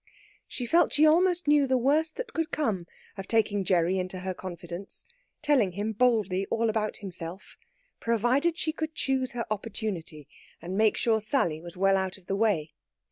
She felt she almost knew the worst that could come of taking Gerry into her confidence, telling him boldly all about himself, provided she could choose her opportunity and make sure Sally was well out of the way.